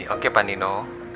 oke pak nino